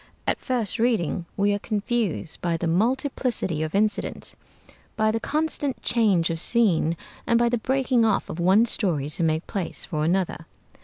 At first reading we are confused by the multiplicity of incident, by the constant change of scene, and by the breaking off of one story to make place for another.